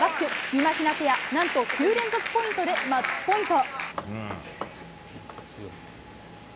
みまひなペア、何と９連続ポイントでマッチポイント。